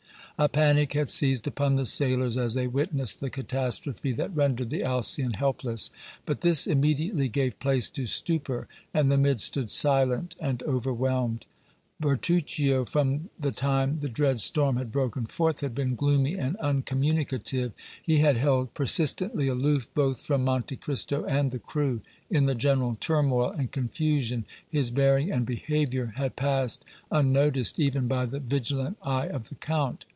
A panic had seized upon the sailors as they witnessed the catastrophe that rendered the Alcyon helpless, but this immediately gave place to stupor, and the men stood silent and overwhelmed. Bertuccio, from the time the dread storm had broken forth, had been gloomy and uncommunicative; he had held persistently aloof both from Monte Cristo and the crew. In the general turmoil and confusion his bearing and behavior had passed unnoticed even by the vigilant eye of the Count.